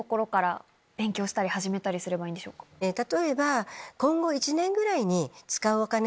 例えば。